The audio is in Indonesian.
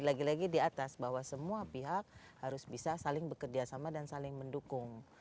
lagi lagi di atas bahwa semua pihak harus bisa saling bekerja sama dan saling mendukung